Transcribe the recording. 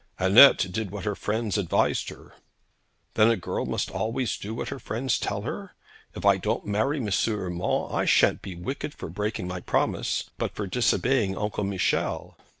'Annette did what her friends advised her.' 'Then a girl must always do what her friends tell her? If I don't marry M. Urmand, I sha'n't be wicked for breaking my promise, but for disobeying Uncle Michel.'